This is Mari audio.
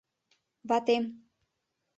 — Ватем.